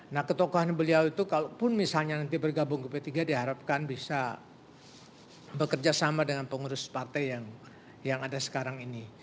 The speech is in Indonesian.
nah ketokohan beliau itu kalaupun misalnya nanti bergabung ke p tiga diharapkan bisa bekerja sama dengan pengurus partai yang ada sekarang ini